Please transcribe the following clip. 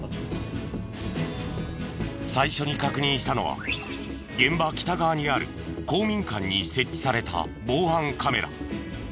最初に確認したのは現場北側にある公民館に設置された防犯カメラ。